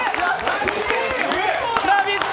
ラヴィット！